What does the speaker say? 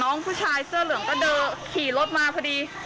ผู้ชายเสื้อเหลืองก็เดินขี่รถมาพอดี